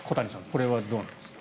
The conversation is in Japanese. これはどうなんですか。